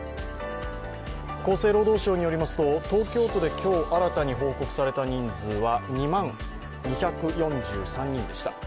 厚生労働省によりますと東京都で今日新たに報告された人数は２万２４３人でした。